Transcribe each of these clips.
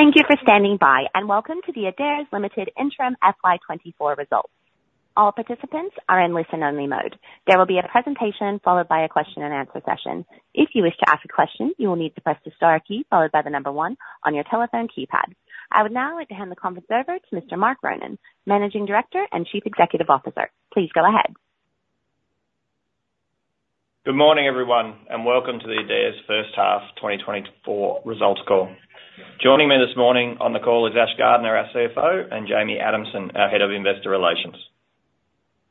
Thank you for standing by, and welcome to the Adairs Limited interim FY24 results. All participants are in listen-only mode. There will be a presentation followed by a question-and-answer session. If you wish to ask a question, you will need to press the star key followed by the number 1 on your telephone keypad. I would now like to hand the conference over to Mr. Mark Ronan, Managing Director and Chief Executive Officer. Please go ahead. Good morning, everyone, and welcome to the Adairs first half 2024 results call. Joining me this morning on the call is Ashley Gardner, our CFO, and Jamie Adamson, our Head of Investor Relations.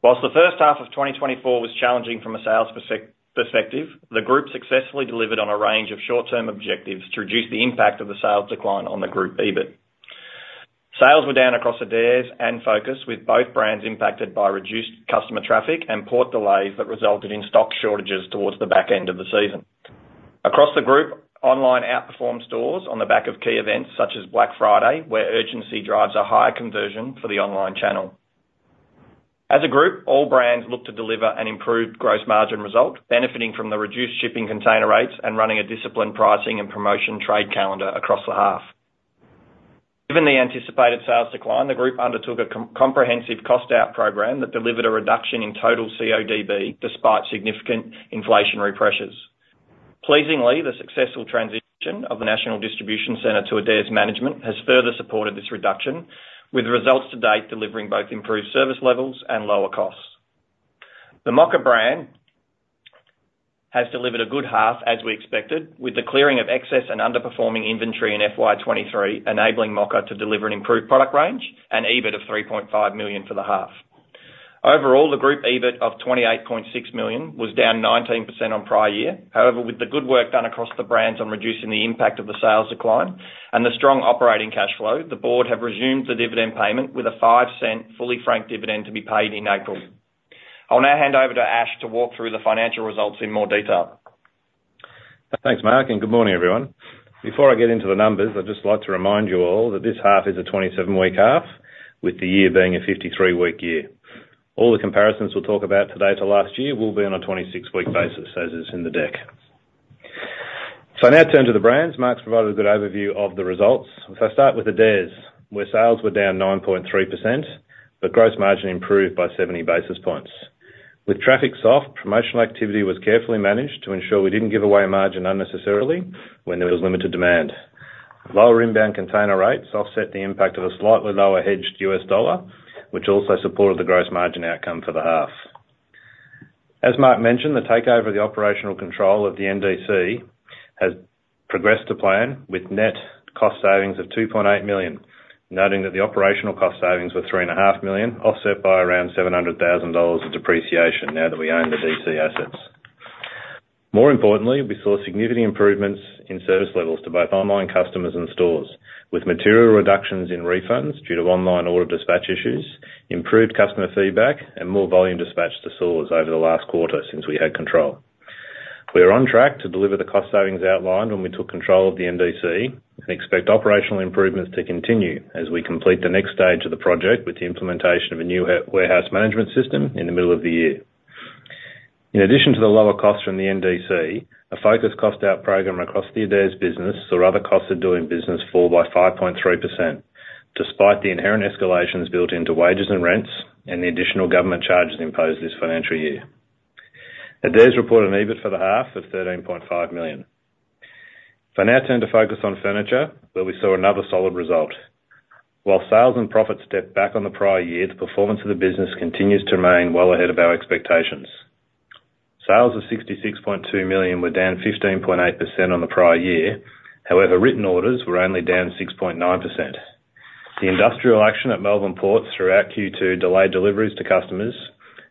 While the first half of 2024 was challenging from a sales perspective, the group successfully delivered on a range of short-term objectives to reduce the impact of the sales decline on the group EBIT. Sales were down across Adairs and Focus, with both brands impacted by reduced customer traffic and port delays that resulted in stock shortages towards the back end of the season. Across the group, online outperformed stores on the back of key events such as Black Friday, where urgency drives a higher conversion for the online channel. As a group, all brands looked to deliver an improved gross margin result, benefiting from the reduced shipping container rates and running a disciplined pricing and promotion trade calendar across the half. Given the anticipated sales decline, the group undertook a comprehensive cost-out program that delivered a reduction in total CODB despite significant inflationary pressures. Pleasingly, the successful transition of the National Distribution Centre to Adairs management has further supported this reduction, with results to date delivering both improved service levels and lower costs. The Mocka brand has delivered a good half as we expected, with the clearing of excess and underperforming inventory in FY 2023 enabling Mocka to deliver an improved product range and EBIT of 3.5 million for the half. Overall, the group EBIT of 28.6 million was down 19% on prior year. However, with the good work done across the brands on reducing the impact of the sales decline and the strong operating cash flow, the board have resumed the dividend payment with a 0.05 fully franked dividend to be paid in April. I'll now hand over to Ash to walk through the financial results in more detail. Thanks, Mark, and good morning, everyone. Before I get into the numbers, I'd just like to remind you all that this half is a 27-week half, with the year being a 53-week year. All the comparisons we'll talk about today to last year will be on a 26-week basis, as is in the deck. So now turn to the brands. Mark's provided a good overview of the results. So start with Adairs, where sales were down 9.3%, but gross margin improved by 70 basis points. With traffic soft, promotional activity was carefully managed to ensure we didn't give away margin unnecessarily when there was limited demand. Lower inbound container rates offset the impact of a slightly lower hedged U.S. dollar, which also supported the gross margin outcome for the half. As Mark mentioned, the takeover of the operational control of the NDC has progressed to plan with net cost savings of 2.8 million, noting that the operational cost savings were 3.5 million, offset by around 700,000 dollars of depreciation now that we own the DC assets. More importantly, we saw significant improvements in service levels to both online customers and stores, with material reductions in refunds due to online order dispatch issues, improved customer feedback, and more volume dispatched to stores over the last quarter since we had control. We are on track to deliver the cost savings outlined when we took control of the NDC and expect operational improvements to continue as we complete the next stage of the project with the implementation of a new warehouse management system in the middle of the year. In addition to the lower costs from the NDC, a focused cost-out program across the Adairs business saw other costs of doing business fall by 5.3% despite the inherent escalations built into wages and rents and the additional government charges imposed this financial year. Adairs reported an EBIT for the half of 13.5 million. For now, turn to Focus on Furniture, where we saw another solid result. While sales and profits stepped back on the prior year, the performance of the business continues to remain well ahead of our expectations. Sales of 66.2 million were down 15.8% on the prior year. However, written orders were only down 6.9%. The industrial action at Melbourne Ports throughout Q2 delayed deliveries to customers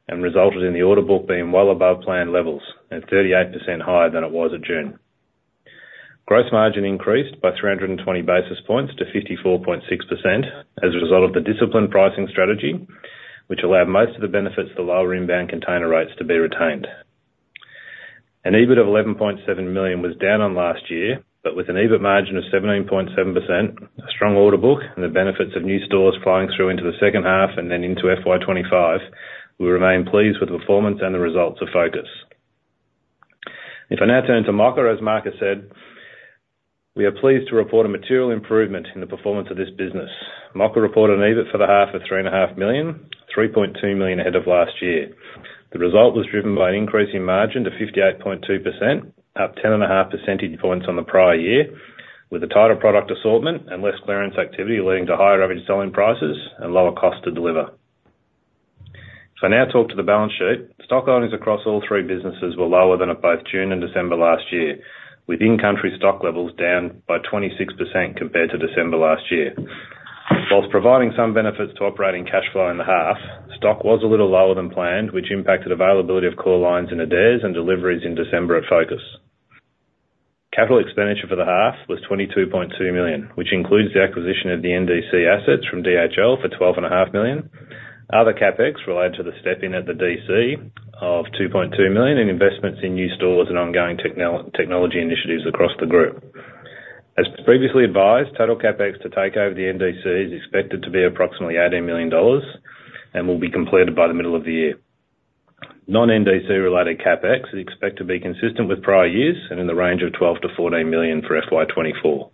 and resulted in the order book being well above planned levels and 38% higher than it was in June. Gross margin increased by 320 basis points to 54.6% as a result of the disciplined pricing strategy, which allowed most of the benefits to lower inbound container rates to be retained. An EBIT of 11.7 million was down on last year, but with an EBIT margin of 17.7%, a strong order book, and the benefits of new stores flying through into the second half and then into FY25, we remain pleased with the performance and the results of Focus. If I now turn to Mocka, as Mark has said, we are pleased to report a material improvement in the performance of this business. Mocka reported an EBIT for the half of 3.5 million, 3.2 million ahead of last year. The result was driven by an increase in margin to 58.2%, up 10.5 percentage points on the prior year, with a tighter product assortment and less clearance activity leading to higher average selling prices and lower cost to deliver. If I now talk to the balance sheet, stock earnings across all three businesses were lower than at both June and December last year, with in-country stock levels down by 26% compared to December last year. While providing some benefits to operating cash flow in the half, stock was a little lower than planned, which impacted availability of core lines in Adairs and deliveries in December at Focus. Capital expenditure for the half was AUD 22.2 million, which includes the acquisition of the NDC assets from DHL for AUD 12.5 million, other CapEx related to the racking at the DC of AUD 2.2 million, and investments in new stores and ongoing technology initiatives across the group. As previously advised, total CapEx to take over the NDC is expected to be approximately 18 million dollars and will be completed by the middle of the year. Non-NDC related CapEx is expected to be consistent with prior years and in the range of 12 million-14 million for FY24.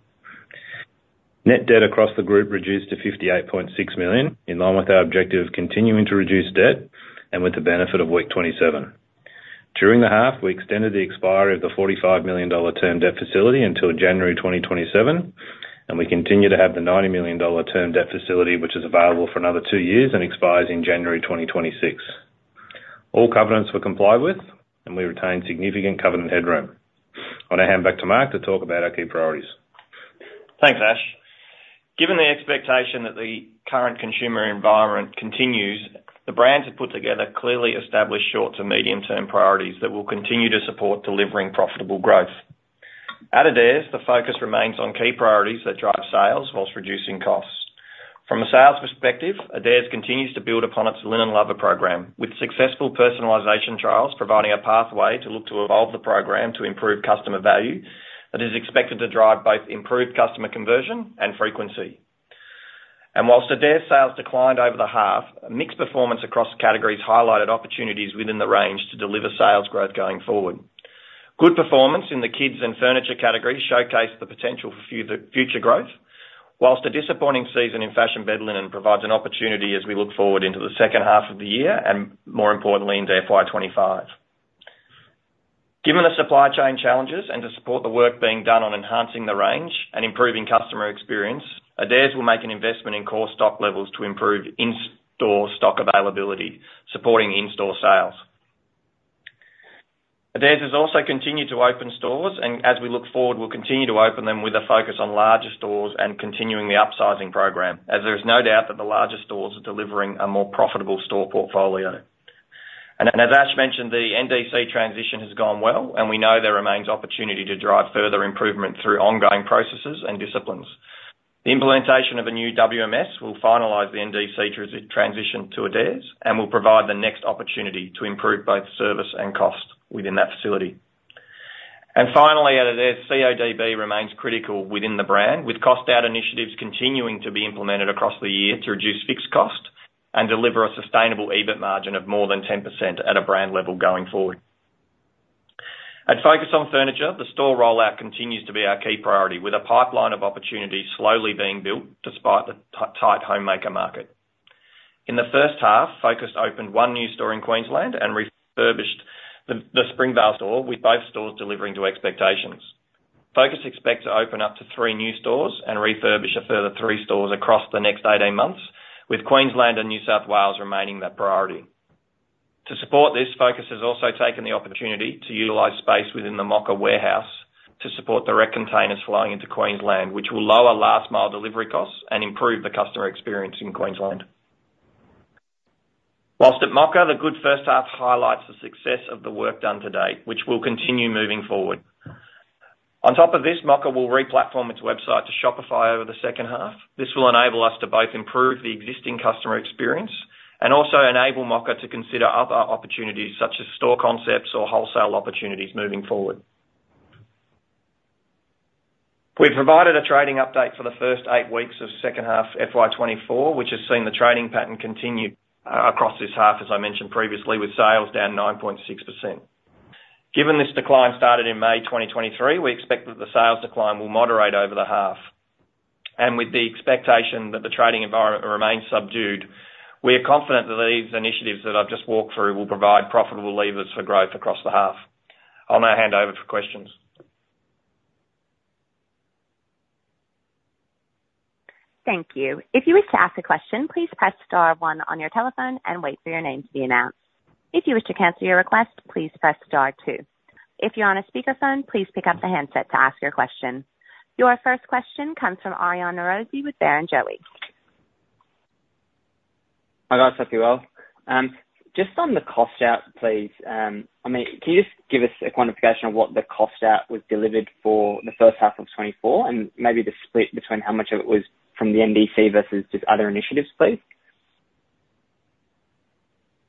Net debt across the group reduced to 58.6 million in line with our objective of continuing to reduce debt and with the benefit of week 27. During the half, we extended the expiry of the 45 million dollar term debt facility until January 2027, and we continue to have the 90 million dollar term debt facility, which is available for another two years and expires in January 2026. All covenants were complied with, and we retained significant covenant headroom. I'll now hand back to Mark to talk about our key priorities. Thanks, Ash. Given the expectation that the current consumer environment continues, the brands have put together clearly established short- to medium-term priorities that will continue to support delivering profitable growth. At Adairs, the focus remains on key priorities that drive sales while reducing costs. From a sales perspective, Adairs continues to build upon its Linen Lovers program, with successful personalization trials providing a pathway to look to evolve the program to improve customer value that is expected to drive both improved customer conversion and frequency. And while Adairs sales declined over the half, mixed performance across categories highlighted opportunities within the range to deliver sales growth going forward. Good performance in the kids and furniture categories showcased the potential for future growth, while a disappointing season in fashion bed linen provides an opportunity as we look forward into the second half of the year and, more importantly, into FY25. Given the supply chain challenges and to support the work being done on enhancing the range and improving customer experience, Adairs will make an investment in core stock levels to improve in-store stock availability, supporting in-store sales. Adairs has also continued to open stores, and as we look forward, we'll continue to open them with a focus on larger stores and continuing the upsizing program, as there is no doubt that the larger stores are delivering a more profitable store portfolio. As Ash mentioned, the NDC transition has gone well, and we know there remains opportunity to drive further improvement through ongoing processes and disciplines. The implementation of a new WMS will finalize the NDC transition to Adairs and will provide the next opportunity to improve both service and cost within that facility. Finally, Adairs CODB remains critical within the brand, with cost-out initiatives continuing to be implemented across the year to reduce fixed cost and deliver a sustainable EBIT margin of more than 10% at a brand level going forward. At Focus on Furniture, the store rollout continues to be our key priority, with a pipeline of opportunities slowly being built despite the tight homemaker market. In the first half, Focus opened one new store in Queensland and refurbished the Springvale store, with both stores delivering to expectations. Focus expects to open up to three new stores and refurbish a further three stores across the next 18 months, with Queensland and New South Wales remaining that priority. To support this, Focus has also taken the opportunity to utilize space within the Mocka warehouse to support direct containers flowing into Queensland, which will lower last-mile delivery costs and improve the customer experience in Queensland. While at Mocka, the good first half highlights the success of the work done to date, which will continue moving forward. On top of this, Mocka will replatform its website to Shopify over the second half. This will enable us to both improve the existing customer experience and also enable Mocka to consider other opportunities such as store concepts or wholesale opportunities moving forward. We've provided a trading update for the first 8 weeks of second half FY2024, which has seen the trading pattern continue across this half, as I mentioned previously, with sales down 9.6%. Given this decline started in May 2023, we expect that the sales decline will moderate over the half. With the expectation that the trading environment remains subdued, we are confident that these initiatives that I've just walked through will provide profitable levers for growth across the half. I'll now hand over for questions. Thank you. If you wish to ask a question, please press star one on your telephone and wait for your name to be announced. If you wish to cancel your request, please press star two. If you're on a speakerphone, please pick up the handset to ask your question. Your first question comes from Arian Rosie with Barrenjoey. Hi guys. Hope you're well. Just on the cost-out, please. I mean, can you just give us a quantification of what the cost-out was delivered for the first half of 2024 and maybe the split between how much of it was from the NDC versus just other initiatives, please?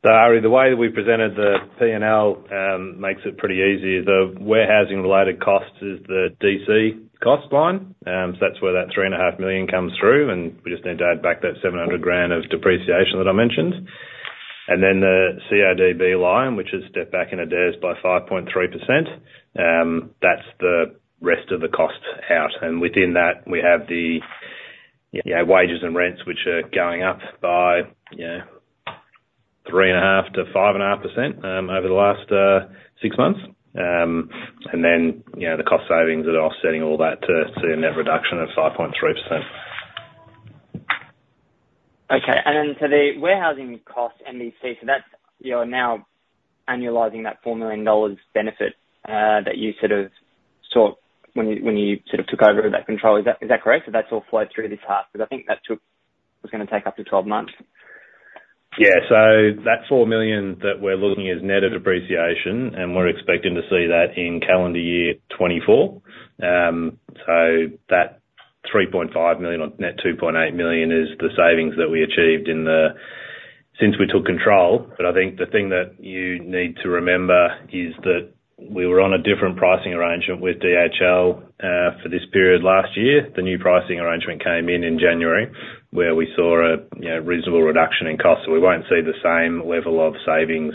So Ari, the way that we presented the P&L makes it pretty easy. The warehousing-related costs is the DC cost line. So that's where that 3.5 million comes through, and we just need to add back that 700,000 of depreciation that I mentioned. And then the CODB line, which has stepped back in Adairs by 5.3%, that's the rest of the cost out. And within that, we have the wages and rents, which are going up by 3.5%-5.5% over the last six months. And then the cost savings that are offsetting all that to see a net reduction of 5.3%. Okay. And then for the warehousing cost NDC, so you're now annualizing that 4 million dollars benefit that you sort of saw when you sort of took over that control. Is that correct? So that's all flowed through this half because I think that was going to take up to 12 months. Yeah. So that 4 million that we're looking at is net of depreciation, and we're expecting to see that in calendar year 2024. So that 3.5 million or net 2.8 million is the savings that we achieved since we took control. But I think the thing that you need to remember is that we were on a different pricing arrangement with DHL for this period last year. The new pricing arrangement came in in January, where we saw a reasonable reduction in cost. So we won't see the same level of savings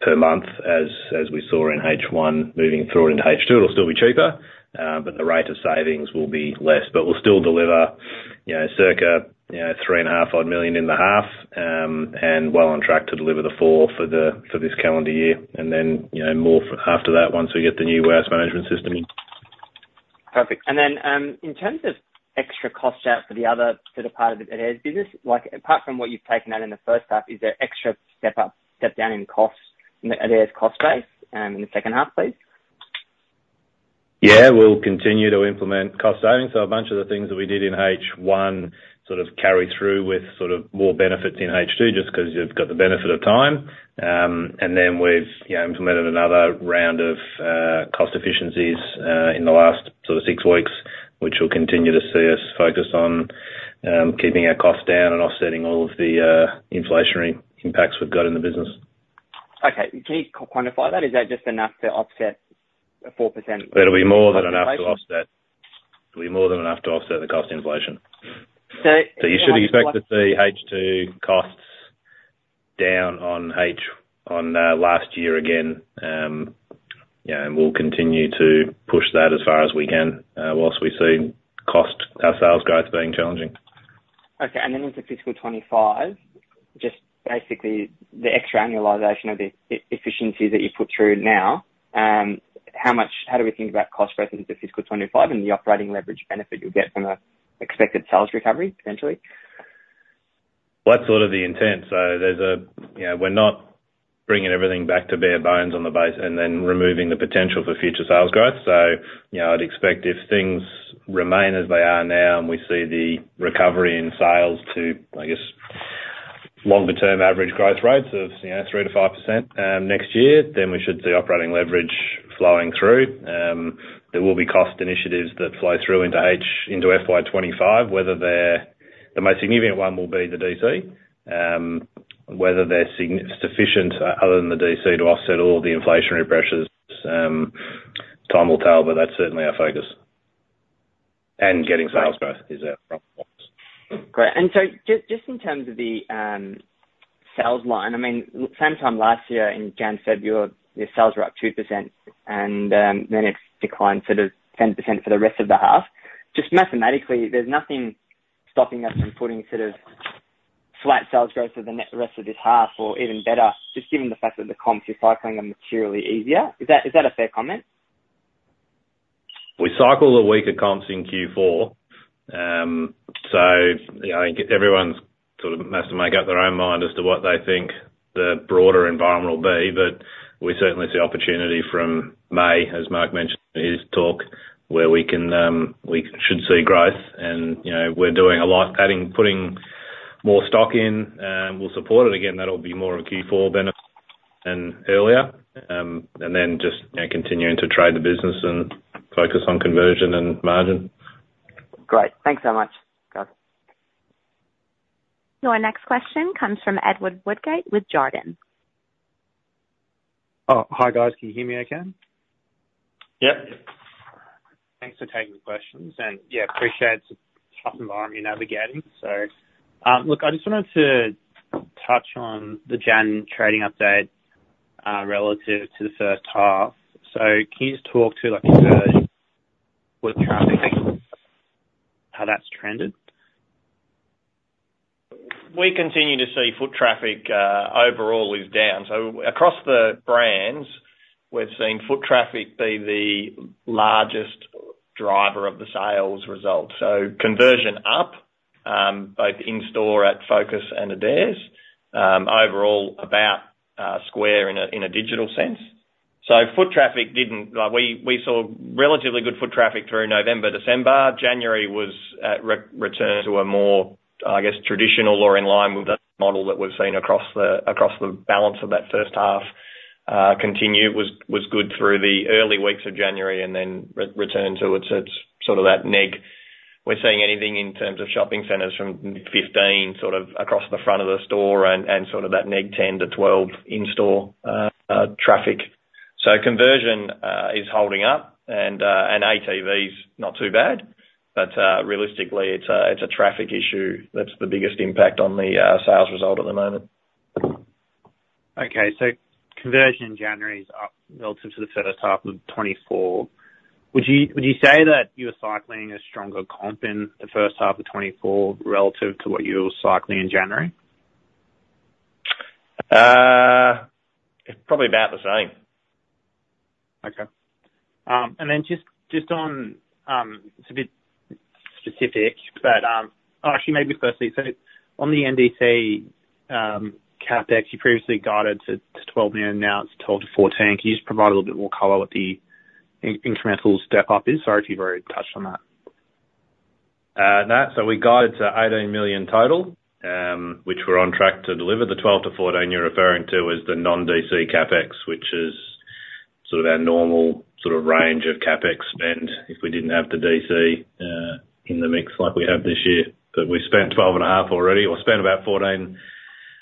per month as we saw in H1 moving through into H2. It'll still be cheaper, but the rate of savings will be less. But we'll still deliver circa 3.5 odd million in the half, and well on track to deliver the 4 million for this calendar year and then more after that once we get the new warehouse management system in. Perfect. And then in terms of extra cost-out for the other part of Adairs business, apart from what you've taken out in the first half, is there extra step-down in costs in Adairs cost base in the second half, please? Yeah. We'll continue to implement cost savings. So a bunch of the things that we did in H1 sort of carry through with sort of more benefits in H2 just because you've got the benefit of time. And then we've implemented another round of cost efficiencies in the last sort of six weeks, which will continue to see us focus on keeping our costs down and offsetting all of the inflationary impacts we've got in the business. Okay. Can you quantify that? Is that just enough to offset a 4% cost inflation? It'll be more than enough to offset. It'll be more than enough to offset the cost inflation. So you should expect to see H2 costs down on last year again, and we'll continue to push that as far as we can while we see our sales growth being challenging. Okay. And then into fiscal 2025, just basically the extra annualization of the efficiencies that you put through now, how do we think about cost versus into fiscal 2025 and the operating leverage benefit you'll get from expected sales recovery, potentially? Well, that's sort of the intent. So we're not bringing everything back to bare bones on the base and then removing the potential for future sales growth. So I'd expect if things remain as they are now and we see the recovery in sales to, I guess, longer-term average growth rates of 3%-5% next year, then we should see operating leverage flowing through. There will be cost initiatives that flow through into FY25. The most significant one will be the DC. Whether they're sufficient other than the DC to offset all the inflationary pressures, time will tell, but that's certainly our focus. And getting sales growth is our front focus. Great. So just in terms of the sales line, I mean, same time last year in January/February, your sales were up 2%, and then it declined sort of 10% for the rest of the half. Just mathematically, there's nothing stopping us from putting sort of flat sales growth for the rest of this half or even better, just given the fact that the comps you're cycling are materially easier. Is that a fair comment? We cycle a week of comps in Q4. So I think everyone sort of has to make up their own mind as to what they think the broader environment will be. But we certainly see opportunity from May, as Mark mentioned in his talk, where we should see growth. And we're doing a lot putting more stock in. We'll support it. Again, that'll be more of a Q4 benefit than earlier. And then just continuing to trade the business and focus on conversion and margin. Great. Thanks so much, guys. Our next question comes from Edward Woodgate with Jarden. Oh, hi guys. Can you hear me okay? Yep. Thanks for taking the questions. And yeah, appreciate it's a tough environment you're navigating. So look, I just wanted to touch on the Jan trading update relative to the first half. So can you just talk to your foot traffic, how that's trended? We continue to see foot traffic overall is down. So across the brands, we've seen foot traffic be the largest driver of the sales results. So conversion up, both in-store at Focus and Adairs, overall about square in a digital sense. So foot traffic, we saw relatively good foot traffic through November/December. January returned to a more, I guess, traditional or in line with the model that we've seen across the balance of that first half continue. It was good through the early weeks of January and then returned to its sort of that neg. We're seeing anything in terms of shopping centres from -15 sort of across the front of the store and sort of that neg 10-12 in-store traffic. So conversion is holding up, and ATV's not too bad. But realistically, it's a traffic issue that's the biggest impact on the sales result at the moment. Okay. So conversion in January's up relative to the first half of 2024. Would you say that you were cycling a stronger comp in the first half of 2024 relative to what you were cycling in January? Probably about the same. Okay. And then just on, it's a bit specific, but actually, maybe firstly, so on the NDC CapEx, you previously guided to 12 million. Now it's 12 million-14 million. Can you just provide a little bit more color what the incremental step-up is? Sorry if you've already touched on that. So we guided to 18 million total, which we're on track to deliver. The 12-14 you're referring to is the non-DC CapEx, which is sort of our normal sort of range of CapEx spend if we didn't have the DC in the mix like we have this year. But we spent 12.5 already or spent about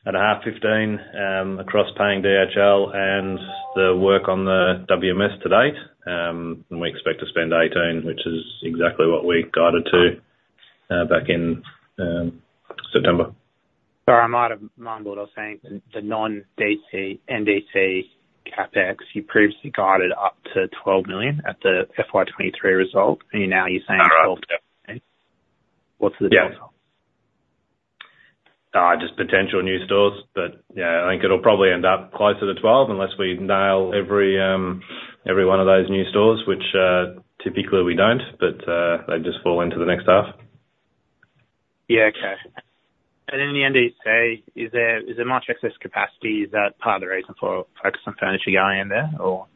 14.5, 15 across paying DHL and the work on the WMS to date. And we expect to spend 18 million, which is exactly what we guided to back in September. Sorry. I might have mumbled. I was saying the non-DC, NDC CapEx, you previously guided up to 12 million at the FY2023 result, and now you're saying 12 million-14 million. What's the deal? Just potential new stores. But yeah, I think it'll probably end up closer to 12 unless we nail every one of those new stores, which typically we don't, but they just fall into the next half. Yeah. Okay. And in the NDC, is there much excess capacity? Is that part of the reason for Focus on Furniture going in there, or?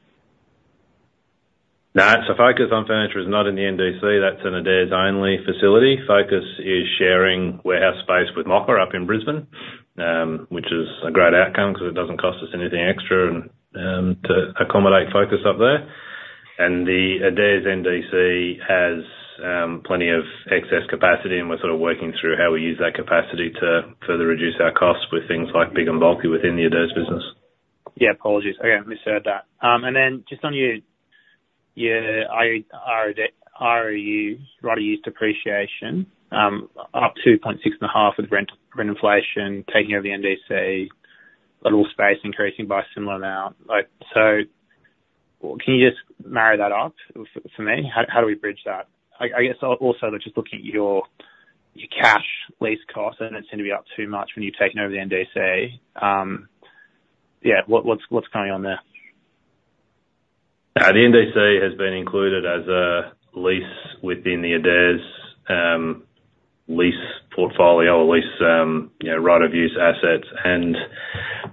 No. So Focus on Furniture is not in the NDC. That's an Adairs-only facility. Focus is sharing warehouse space with Mocka up in Brisbane, which is a great outcome because it doesn't cost us anything extra to accommodate Focus up there. And the Adairs NDC has plenty of excess capacity, and we're sort of working through how we use that capacity to further reduce our costs with things like Big & Bulky within the Adairs business. Yeah. Apologies. Okay. I misheard that. And then just on your ROU, Right of Use depreciation, up 2.6 and a half with rent inflation, taking over the NDC, a little space increasing by a similar amount. So can you just marry that up for me? How do we bridge that? I guess also, just looking at your cash lease costs, I don't seem to be up too much when you've taken over the NDC. Yeah. What's going on there? The NDC has been included as a lease within the Adairs lease portfolio or lease right-of-use assets and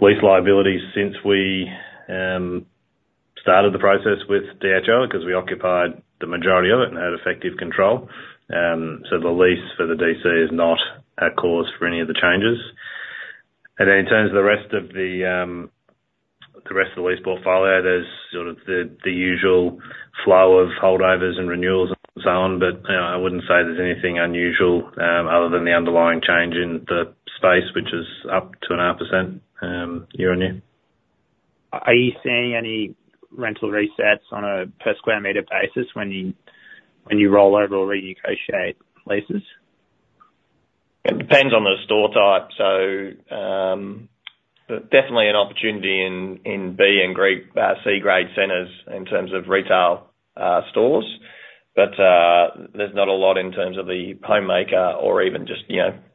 lease liabilities since we started the process with DHL because we occupied the majority of it and had effective control. So the lease for the DC is not a cause for any of the changes. And then in terms of the rest of the lease portfolio, there's sort of the usual flow of holdovers and renewals and so on. But I wouldn't say there's anything unusual other than the underlying change in the space, which is up to a 0.5% year-over-year. Are you seeing any rental resets on a per-square-meter basis when you roll over or renegotiate leases? It depends on the store type. So definitely an opportunity in B and C-grade centers in terms of retail stores. But there's not a lot in terms of the homemaker or even just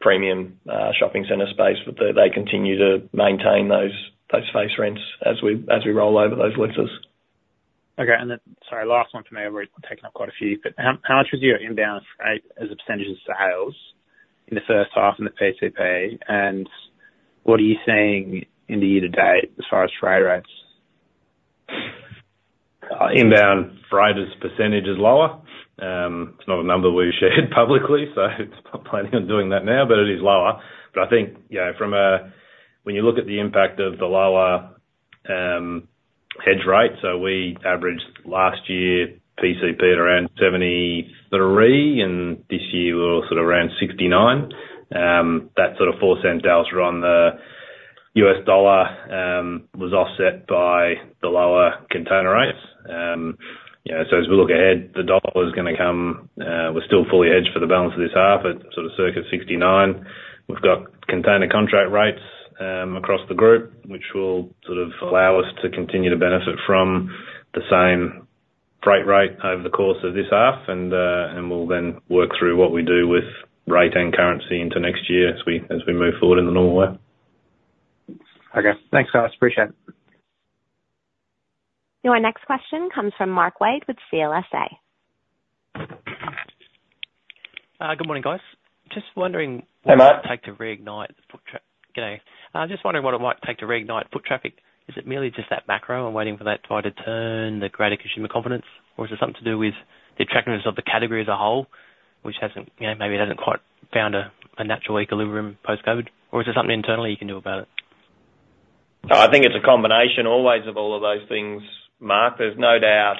premium shopping center space. They continue to maintain those face rents as we roll over those leases. Okay. And then sorry, last one for me. We've taken up quite a few. But how much was your inbound freight as a percentage of sales in the first half in the PCP, and what are you seeing in the year to date as far as freight rates? Inbound freight as a percentage is lower. It's not a number we shared publicly, so it's not planning on doing that now, but it is lower. But I think when you look at the impact of the lower hedge rate so we averaged last year PCP at around 73, and this year we're sort of around 69. That sort of 4-cent decline in the U.S. dollar was offset by the lower container rates. So as we look ahead, the dollar is going to come down, we're still fully hedged for the balance of this half at sort of circa 69. We've got container contract rates across the group, which will sort of allow us to continue to benefit from the same freight rate over the course of this half. We'll then work through what we do with rate and currency into next year as we move forward in the normal way. Okay. Thanks, guys. Appreciate it. So our next question comes from Mark Wade with CLSA. Good morning, guys. Just wondering what it might take to reignite foot traffic. Is it merely just that macro and waiting for that tide to turn, the greater consumer confidence, or is it something to do with the attractiveness of the category as a whole, which maybe it hasn't quite found a natural equilibrium post-COVID? Or is there something internally you can do about it? I think it's a combination always of all of those things, Mark. There's no doubt.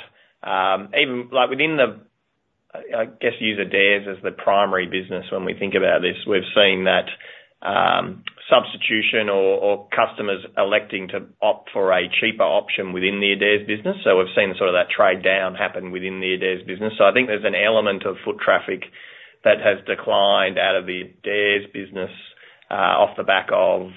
Even within the, I guess, use Adairs as the primary business when we think about this. We've seen that substitution or customers electing to opt for a cheaper option within the Adairs business. So we've seen sort of that trade-down happen within the Adairs business. So I think there's an element of foot traffic that has declined out of the Adairs business off the back of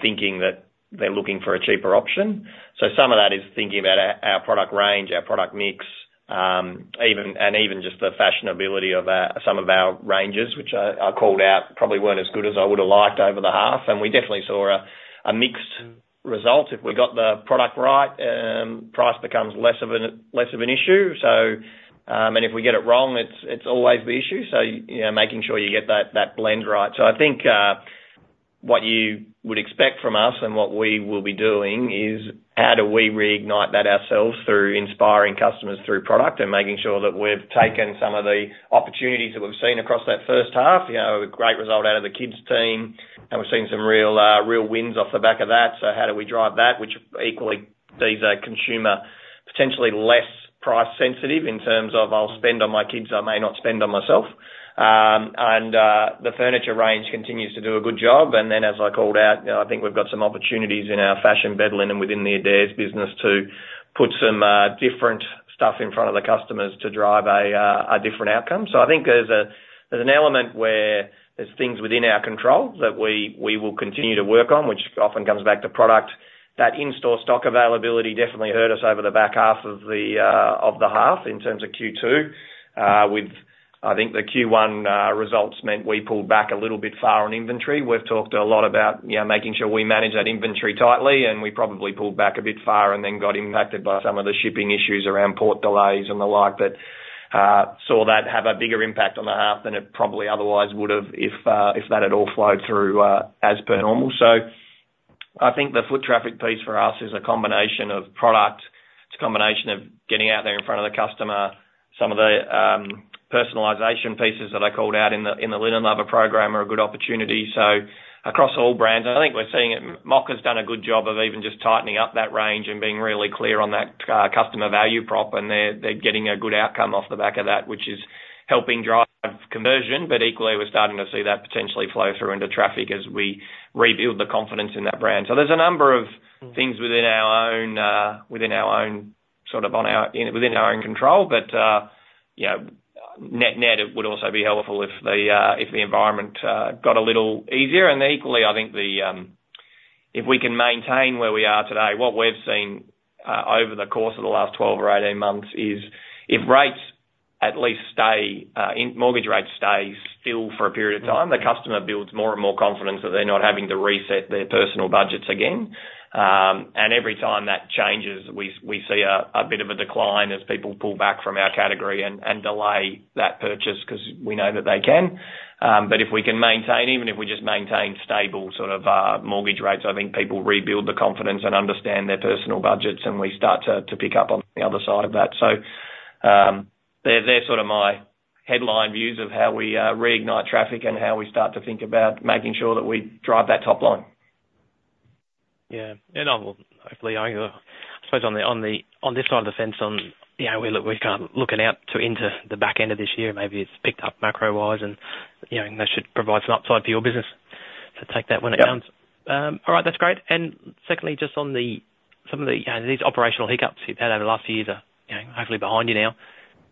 thinking that they're looking for a cheaper option. So some of that is thinking about our product range, our product mix, and even just the fashionability of some of our ranges, which I called out probably weren't as good as I would have liked over the half. And we definitely saw a mixed result. If we got the product right, price becomes less of an issue. And if we get it wrong, it's always the issue. So making sure you get that blend right. So I think what you would expect from us and what we will be doing is how do we reignite that ourselves through inspiring customers through product and making sure that we've taken some of the opportunities that we've seen across that first half. A great result out of the kids' team, and we've seen some real wins off the back of that. So how do we drive that, which equally these are consumer potentially less price-sensitive in terms of, "I'll spend on my kids. I may not spend on myself." And the furniture range continues to do a good job. And then, as I called out, I think we've got some opportunities in our fashion bed linen and within the Adairs business to put some different stuff in front of the customers to drive a different outcome. So I think there's an element where there's things within our control that we will continue to work on, which often comes back to product. That in-store stock availability definitely hurt us over the back half of the half in terms of Q2, with I think the Q1 results meant we pulled back a little bit far on inventory. We've talked a lot about making sure we manage that inventory tightly, and we probably pulled back a bit far and then got impacted by some of the shipping issues around port delays and the like that saw that have a bigger impact on the half than it probably otherwise would have if that had all flowed through as per normal. So I think the foot traffic piece for us is a combination of product. It's a combination of getting out there in front of the customer. Some of the personalization pieces that I called out in the Linen Lover program are a good opportunity. So across all brands, I think we're seeing it. Mocka's done a good job of even just tightening up that range and being really clear on that customer value prop, and they're getting a good outcome off the back of that, which is helping drive conversion. But equally, we're starting to see that potentially flow through into traffic as we rebuild the confidence in that brand. So there's a number of things within our own sort of control, but net-net, it would also be helpful if the environment got a little easier. And equally, I think if we can maintain where we are today, what we've seen over the course of the last 12 or 18 months is if rates at least stay, mortgage rates stay still for a period of time, the customer builds more and more confidence that they're not having to reset their personal budgets again. And every time that changes, we see a bit of a decline as people pull back from our category and delay that purchase because we know that they can. But if we can maintain, even if we just maintain stable sort of mortgage rates, I think people rebuild the confidence and understand their personal budgets, and we start to pick up on the other side of that. So they're sort of my headline views of how we reignite traffic and how we start to think about making sure that we drive that top line. Yeah. And hopefully, I suppose on this side of the fence, we're kind of looking out into the back end of this year. Maybe it's picked up macro-wise, and that should provide some upside for your business. So take that when it comes. All right. That's great. And secondly, just on some of these operational hiccups you've had over the last few years are hopefully behind you now.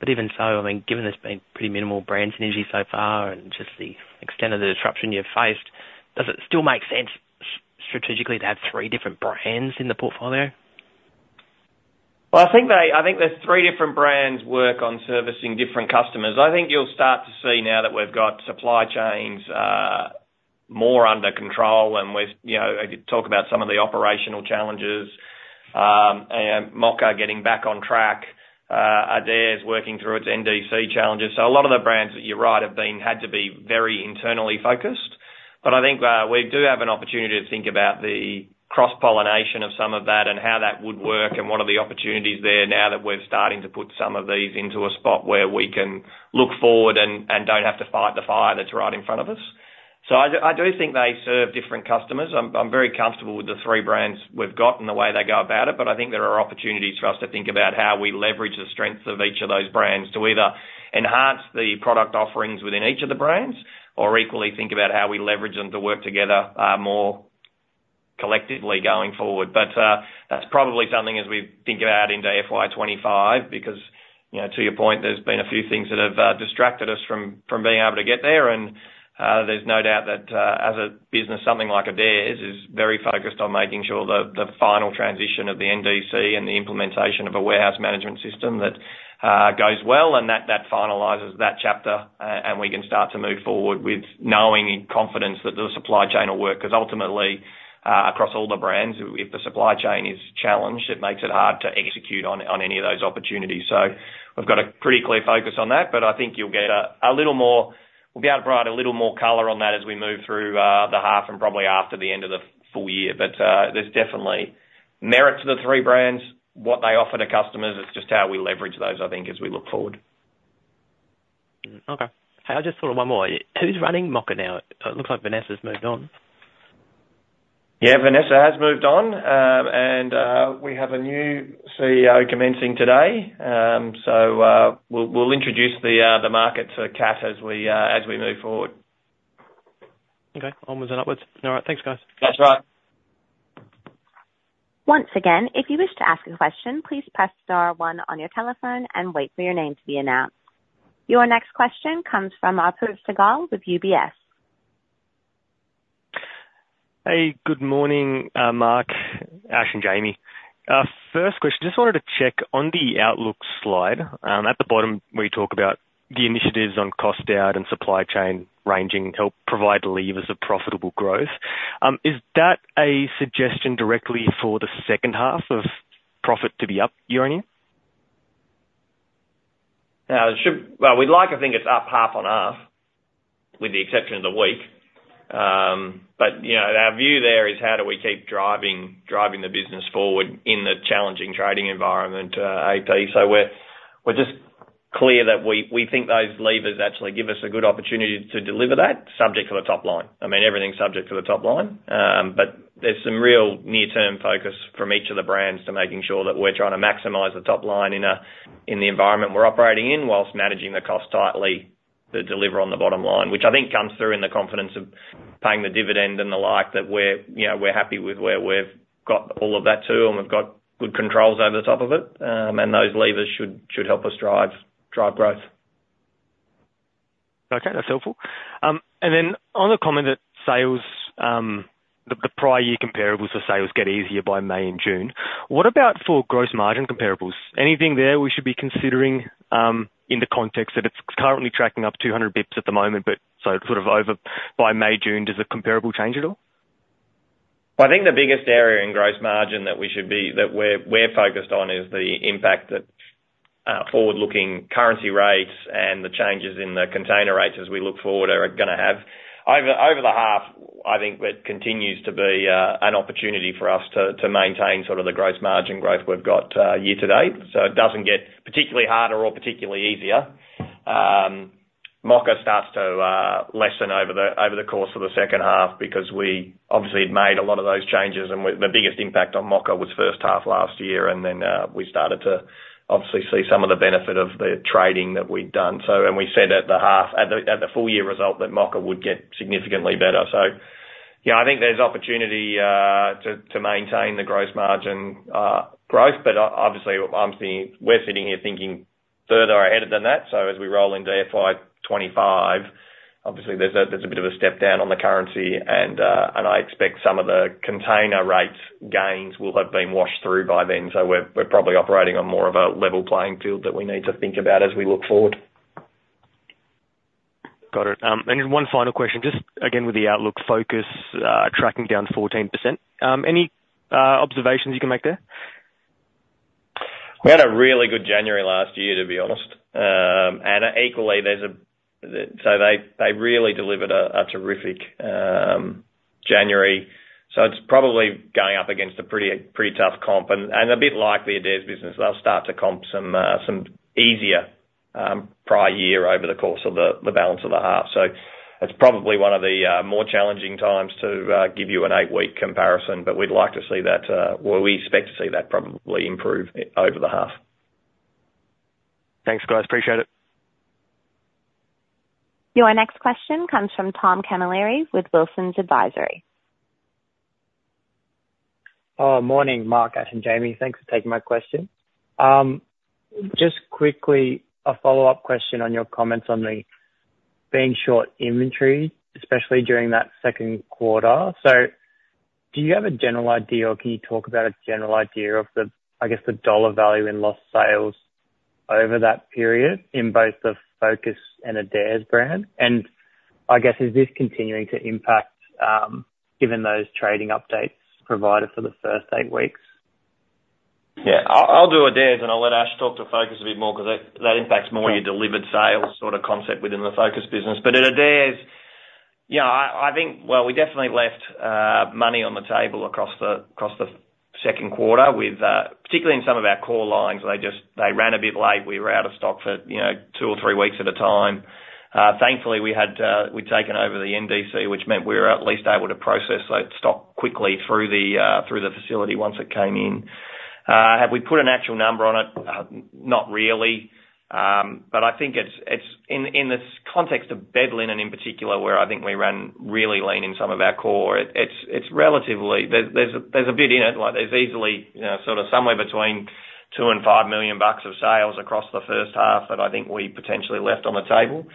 But even so, I mean, given there's been pretty minimal brand synergy so far and just the extent of the disruption you've faced, does it still make sense strategically to have three different brands in the portfolio? Well, I think the three different brands work on servicing different customers. I think you'll start to see now that we've got supply chains more under control and we've talked about some of the operational challenges, Mocka getting back on track, Adairs working through its NDC challenges. So a lot of the brands that you're right have had to be very internally focused. But I think we do have an opportunity to think about the cross-pollination of some of that and how that would work and what are the opportunities there now that we're starting to put some of these into a spot where we can look forward and don't have to fight the fire that's right in front of us. So I do think they serve different customers. I'm very comfortable with the three brands we've got and the way they go about it. But I think there are opportunities for us to think about how we leverage the strengths of each of those brands to either enhance the product offerings within each of the brands or equally think about how we leverage them to work together more collectively going forward. But that's probably something as we think about into FY 2025 because, to your point, there's been a few things that have distracted us from being able to get there. And there's no doubt that as a business, something like Adairs is very focused on making sure the final transition of the NDC and the implementation of a warehouse management system that goes well and that finalises that chapter, and we can start to move forward with knowing in confidence that the supply chain will work. Because ultimately, across all the brands, if the supply chain is challenged, it makes it hard to execute on any of those opportunities. So we've got a pretty clear focus on that. But I think we'll be able to provide a little more color on that as we move through the half and probably after the end of the full year. But there's definitely merit to the three brands, what they offer to customers. It's just how we leverage those, I think, as we look forward. Okay. Hey, I just thought of one more. Who's running Mocka now? It looks like Vanessa's moved on. Yeah. Vanessa has moved on. We have a new CEO commencing today. We'll introduce the market to Kat as we move forward. Okay. Onwards and upwards. All right. Thanks, guys. That's right. Once again, if you wish to ask a question, please press star one on your telephone and wait for your name to be announced. Your next question comes from Apoorv Sehgal with UBS. Hey. Good morning, Mark, Ashley, and Jamie. First question, just wanted to check on the Outlook slide. At the bottom, we talk about the initiatives on cost-out and supply chain ranging help provide levers of profitable growth. Is that a suggestion directly for the second half of profit to be up, year-over-year? Well, we'd like, I think, it's up half on half with the exception of the week. But our view there is how do we keep driving the business forward in the challenging trading environment, AP? So we're just clear that we think those levers actually give us a good opportunity to deliver that subject to the top line. I mean, everything's subject to the top line. But there's some real near-term focus from each of the brands to making sure that we're trying to maximize the top line in the environment we're operating in while managing the cost tightly to deliver on the bottom line, which I think comes through in the confidence of paying the dividend and the like that we're happy with where we've got all of that to and we've got good controls over the top of it. And those levers should help us drive growth. Okay. That's helpful. And then on the comment that the prior year comparables for sales get easier by May and June, what about for gross margin comparables? Anything there we should be considering in the context that it's currently tracking up 200 bps at the moment? So sort of by May, June, does the comparable change at all? Well, I think the biggest area in gross margin that we're focused on is the impact that forward-looking currency rates and the changes in the container rates as we look forward are going to have. Over the half, I think that continues to be an opportunity for us to maintain sort of the gross margin growth we've got year to date. So it doesn't get particularly harder or particularly easier. Mocka starts to lessen over the course of the second half because we obviously had made a lot of those changes. And the biggest impact on Mocka was first half last year. And then we started to obviously see some of the benefit of the trading that we'd done. And we said at the full-year result that Mocka would get significantly better. So I think there's opportunity to maintain the gross margin growth. But obviously, we're sitting here thinking further ahead than that. So as we roll into FY25, obviously, there's a bit of a step down on the currency. And I expect some of the container rate gains will have been washed through by then. So we're probably operating on more of a level playing field that we need to think about as we look forward. Got it. Just one final question, just again with the Outlook Focus tracking down 14%. Any observations you can make there? We had a really good January last year, to be honest. And equally, there's also they really delivered a terrific January. So it's probably going up against a pretty tough comp. And a bit like the Adairs business, they'll start to comp some easier prior year over the course of the balance of the half. So it's probably one of the more challenging times to give you an 8-week comparison. But we'd like to see that or we expect to see that probably improve over the half. Thanks, guys. Appreciate it. Your next question comes from Tom Camilleri with Wilsons Advisory. Morning, Mark, Ashley, and Jamie. Thanks for taking my question. Just quickly, a follow-up question on your comments on being short inventory, especially during that second quarter. So do you have a general idea or can you talk about a general idea of, I guess, the dollar value in lost sales over that period in both the Focus and Adairs brand? And I guess, is this continuing to impact given those trading updates provided for the first eight weeks? Yeah. I'll do Adairs, and I'll let Ash talk to Focus a bit more because that impacts more your delivered sales sort of concept within the Focus business. But at Adairs, I think, well, we definitely left money on the table across the second quarter, particularly in some of our core lines. They ran a bit late. We were out of stock for 2 or 3 weeks at a time. Thankfully, we'd taken over the NDC, which meant we were at least able to process stock quickly through the facility once it came in. Have we put an actual number on it? Not really. But I think it's in the context of bed linen and in particular where I think we run really lean in some of our core, there's a bit in it. There's easily sort of somewhere between 2 million and 5 million bucks of sales across the first half that I think we potentially left on the table.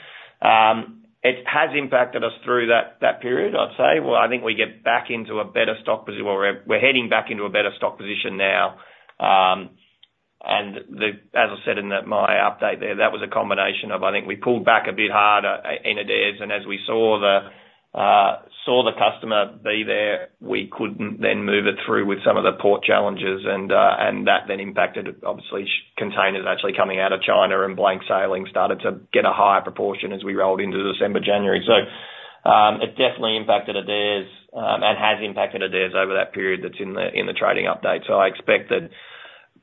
It has impacted us through that period, I'd say. Well, I think we get back into a better stock position. We're heading back into a better stock position now. And as I said in my update there, that was a combination of, I think, we pulled back a bit harder in Adairs. And as we saw the customer be there, we couldn't then move it through with some of the port challenges. And that then impacted, obviously, containers actually coming out of China and blank sailing started to get a higher proportion as we rolled into December, January. So it definitely impacted Adairs and has impacted Adairs over that period that's in the trading update. So I expect that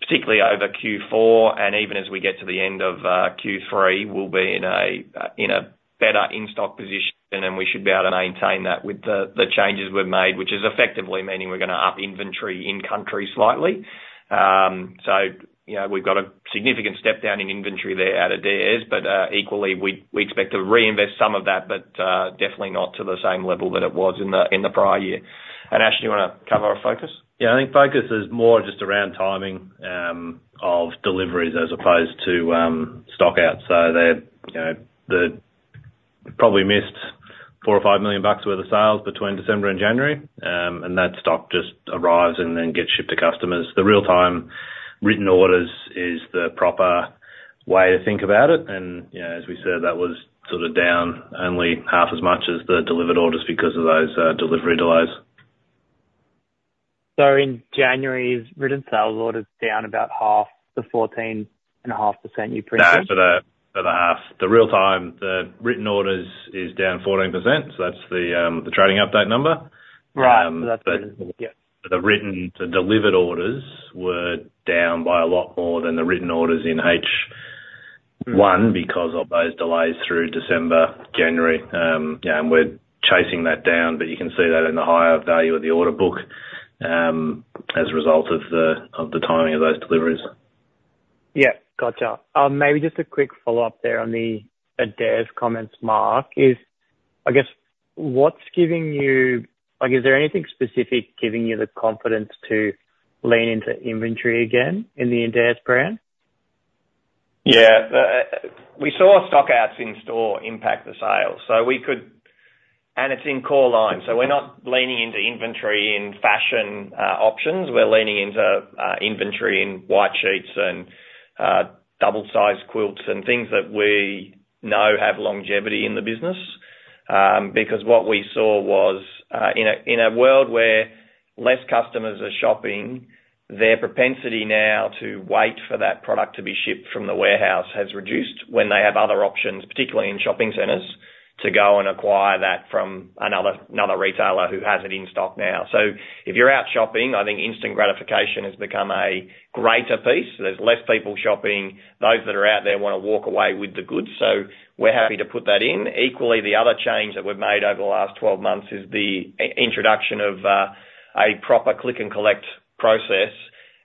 particularly over Q4 and even as we get to the end of Q3, we'll be in a better in-stock position. And we should be able to maintain that with the changes we've made, which is effectively meaning we're going to up inventory in-country slightly. So we've got a significant step down in inventory there at Adairs. But equally, we expect to reinvest some of that, but definitely not to the same level that it was in the prior year. And Ashley, do you want to cover Focus? Yeah. I think Focus is more just around timing of deliveries as opposed to stockout. So they probably missed 4 million-5 million bucks worth of sales between December and January. And that stock just arrives and then gets shipped to customers. The real-time written orders is the proper way to think about it. And as we said, that was sort of down only half as much as the delivered orders because of those delivery delays. So in January, is written sales orders down about half, the 14.5% you printed? That's for the half. The real-time, the written orders is down 14%. So that's the trading update number. Right. So that's written. But the delivered orders were down by a lot more than the written orders in H1 because of those delays through December, January. And we're chasing that down. But you can see that in the higher value of the order book as a result of the timing of those deliveries. Yeah. Gotcha. Maybe just a quick follow-up there on the Adairs comments, Mark, is I guess what's giving you is there anything specific giving you the confidence to lean into inventory again in the Adairs brand? Yeah. We saw stockouts in store impact the sales. And it's in core lines. So we're not leaning into inventory in fashion options. We're leaning into inventory in white sheets and double-sized quilts and things that we know have longevity in the business. Because what we saw was in a world where less customers are shopping, their propensity now to wait for that product to be shipped from the warehouse has reduced when they have other options, particularly in shopping centers, to go and acquire that from another retailer who has it in stock now. So if you're out shopping, I think instant gratification has become a greater piece. There's less people shopping. Those that are out there want to walk away with the goods. So we're happy to put that in. Equally, the other change that we've made over the last 12 months is the introduction of a proper Click-and-Collect process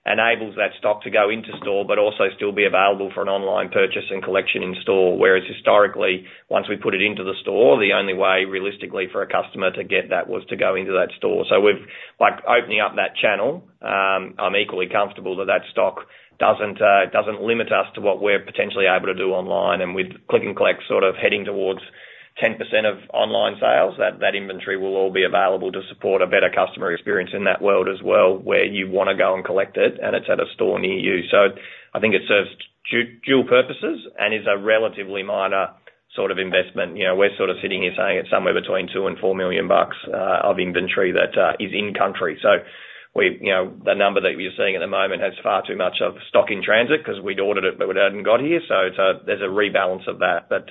enables that stock to go into store but also still be available for an online purchase and collection in store. Whereas historically, once we put it into the store, the only way realistically for a customer to get that was to go into that store. So opening up that channel, I'm equally comfortable that that stock doesn't limit us to what we're potentially able to do online. And with Click-and-Collect sort of heading towards 10% of online sales, that inventory will all be available to support a better customer experience in that world as well where you want to go and collect it and it's at a store near you. So I think it serves dual purposes and is a relatively minor sort of investment. We're sort of sitting here saying it's somewhere between 2 million and 4 million bucks of inventory that is in-country. So the number that you're seeing at the moment has far too much of stock in transit because we'd ordered it, but we hadn't got here. So there's a rebalance of that that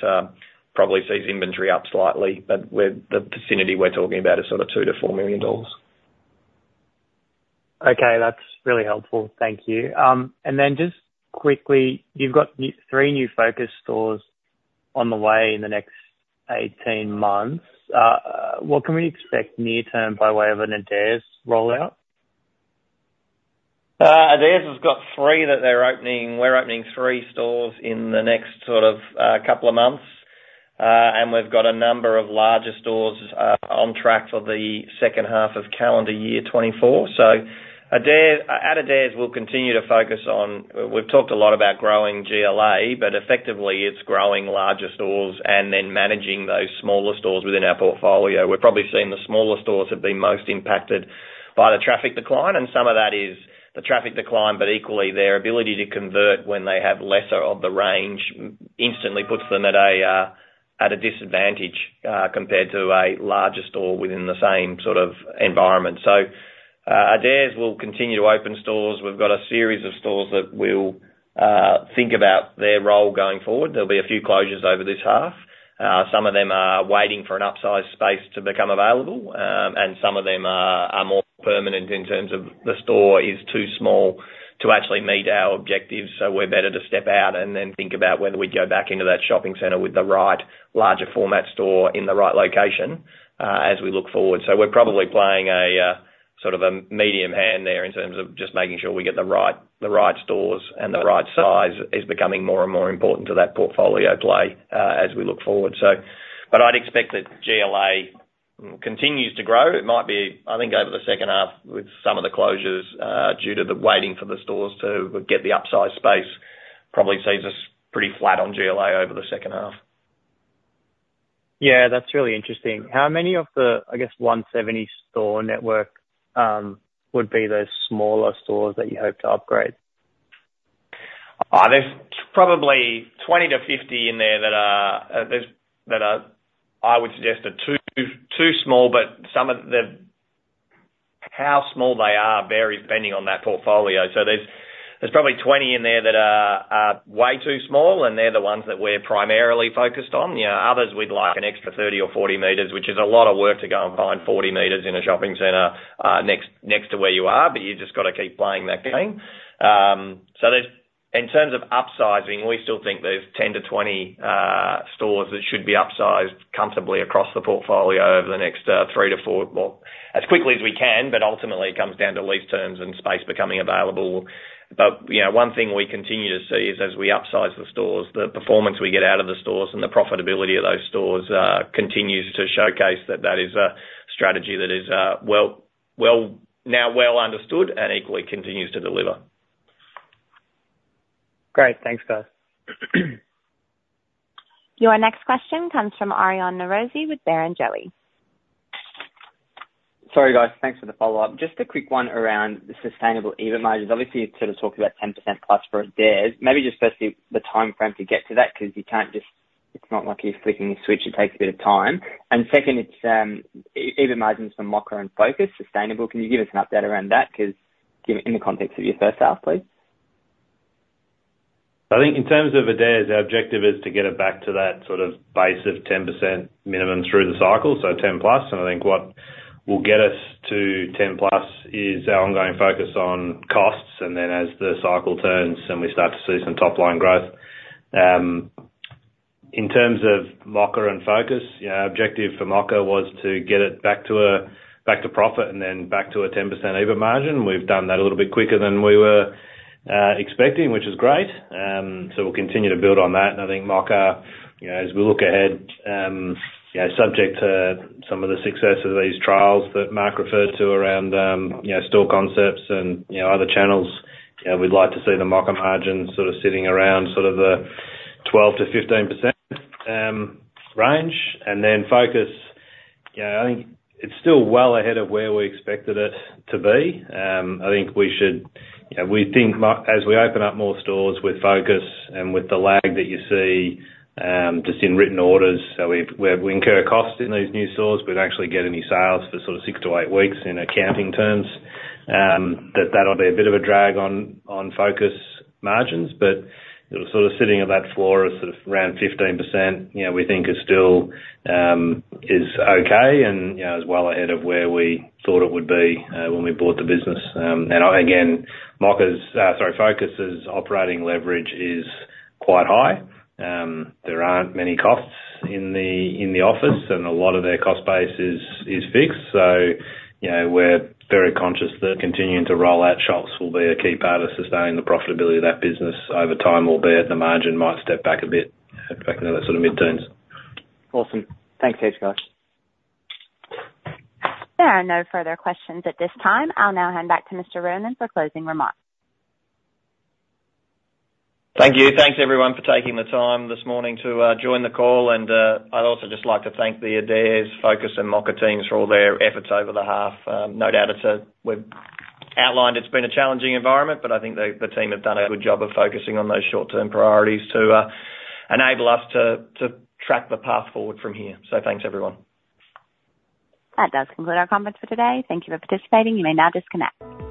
probably sees inventory up slightly. But the vicinity we're talking about is sort of 2 million-4 million dollars. Okay. That's really helpful. Thank you. And then just quickly, you've got three new Focus stores on the way in the next 18 months. What can we expect near-term by way of an Adairs rollout? Adairs has got 3 that they're opening. We're opening 3 stores in the next sort of couple of months. We've got a number of larger stores on track for the second half of calendar year 2024. So at Adairs, we'll continue to focus on we've talked a lot about growing GLA, but effectively, it's growing larger stores and then managing those smaller stores within our portfolio. We're probably seeing the smaller stores have been most impacted by the traffic decline. Some of that is the traffic decline, but equally, their ability to convert when they have lesser of the range instantly puts them at a disadvantage compared to a larger store within the same sort of environment. So Adairs will continue to open stores. We've got a series of stores that we'll think about their role going forward. There'll be a few closures over this half. Some of them are waiting for an upsized space to become available. Some of them are more permanent in terms of the store is too small to actually meet our objectives. We're better to step out and then think about whether we'd go back into that shopping center with the right larger format store in the right location as we look forward. We're probably playing sort of a medium hand there in terms of just making sure we get the right stores and the right size is becoming more and more important to that portfolio play as we look forward. But I'd expect that GLA continues to grow. It might be, I think, over the second half with some of the closures due to the waiting for the stores to get the upsized space probably sees us pretty flat on GLA over the second half. Yeah. That's really interesting. How many of the, I guess, 170-store network would be those smaller stores that you hope to upgrade? There's probably 20-50 in there that are I would suggest are too small. But how small they are varies depending on that portfolio. So there's probably 20 in there that are way too small. And they're the ones that we're primarily focused on. Others, we'd like an extra 30 or 40 meters, which is a lot of work to go and find 40 meters in a shopping center next to where you are. But you've just got to keep playing that game. So in terms of upsizing, we still think there's 10-20 stores that should be upsized comfortably across the portfolio over the next 3-4 as quickly as we can. But ultimately, it comes down to lease terms and space becoming available. But one thing we continue to see is as we upsize the stores, the performance we get out of the stores and the profitability of those stores continues to showcase that that is a strategy that is now well understood and equally continues to deliver. Great. Thanks, guys. Your next question comes from Aryan Norozi with Barrenjoey. Sorry, guys. Thanks for the follow-up. Just a quick one around the sustainable EBIT margins. Obviously, you're sort of talking about 10%+ for Adairs. Maybe just firstly, the timeframe to get to that because you can't just it's not like you're flicking a switch. It takes a bit of time. And second, EBIT margins for Mocka and Focus, sustainable. Can you give us an update around that in the context of your first half, please? So I think in terms of Adairs, our objective is to get it back to that sort of base of 10% minimum through the cycle, so 10%+. And I think what will get us to 10%+ is our ongoing focus on costs. And then as the cycle turns and we start to see some top-line growth in terms of Mocka and Focus, our objective for Mocka was to get it back to profit and then back to a 10% even margin. We've done that a little bit quicker than we were expecting, which is great. So we'll continue to build on that. And I think Mocka, as we look ahead, subject to some of the success of these trials that Mark referred to around store concepts and other channels, we'd like to see the Mocka margin sort of sitting around sort of the 12%-15% range. And then Focus, I think it's still well ahead of where we expected it to be. I think we think as we open up more stores with Focus and with the lag that you see just in written orders so we incur costs in these new stores, we don't actually get any sales for sort of 6-8 weeks in accounting terms, that'll be a bit of a drag on Focus margins. But sort of sitting at that floor of sort of around 15%, we think is still okay and is well ahead of where we thought it would be when we bought the business. And again, Mocka's—sorry, Focus's operating leverage is quite high. There aren't many costs in the office. And a lot of their cost base is fixed. We're very conscious that continuing to roll out shops will be a key part of sustaining the profitability of that business over time, albeit the margin might step back a bit in the sort of mid-teens. Awesome. Thanks, Ash, guys. There are no further questions at this time. I'll now hand back to Mr. Ronan for closing remarks. Thank you. Thanks, everyone, for taking the time this morning to join the call. I'd also just like to thank the Adairs, Focus, and Mocka teams for all their efforts over the half. No doubt it's as we've outlined it's been a challenging environment. I think the team have done a good job of focusing on those short-term priorities to enable us to track the path forward from here. Thanks, everyone. That does conclude our conference for today. Thank you for participating. You may now disconnect.